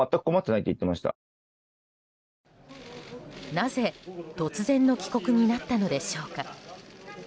なぜ、突然の帰国になったのでしょうか。